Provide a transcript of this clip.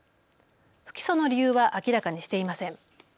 不起訴の理由は明らかにしていません。